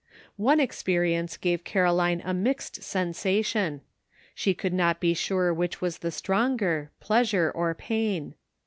One experience gave Caroline a mixed sensation ; she could not be sure which was the stronger, pleasure or pain.